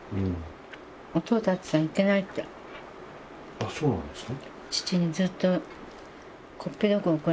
あっそうなんですか？